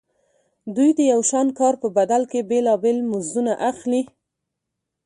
دوی د یو شان کار په بدل کې بېلابېل مزدونه اخلي